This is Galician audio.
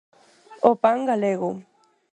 O pan galego.